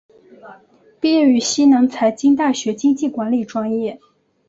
毕业于西南财经大学经济管理专业。